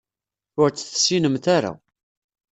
Ur tt-tessinemt ara.